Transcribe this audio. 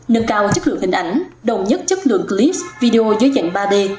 nâng cao chất lượng hình ảnh đồng nhất chất lượng clip video dưới dạng ba d